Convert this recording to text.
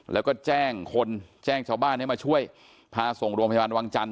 แล้วก็แจ้งชาวบ้านไปช่วยพาทรงโรมพยาบาลวงจันทร์